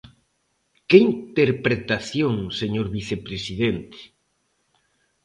¡Que interpretación, señor vicepresidente!